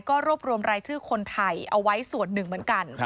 ก็รวบรวมรายชื่อคนไทยเอาไว้ส่วนหนึ่งเหมือนกัน